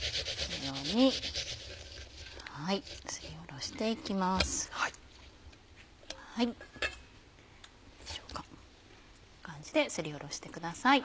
どうでしょうかこんな感じですりおろしてください。